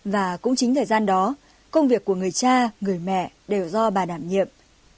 và cũng chính thời gian đó công việc của người cha người mẹ đều do bà đảm nhiệm